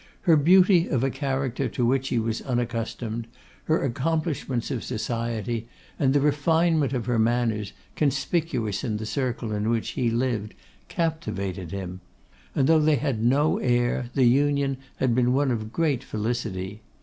Her beauty of a character to which he was unaccustomed, her accomplishments of society, and the refinement of her manners, conspicuous in the circle in which he lived, captivated him; and though they had no heir, the union had been one of great felicity.